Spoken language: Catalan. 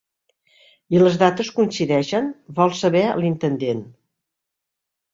I les dates coincideixen? —vol saber l'intendent.